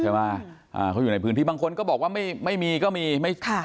อ่าเขาอยู่ในพื้นที่บางคนก็บอกว่าไม่มีก็มีไม่ค่ะ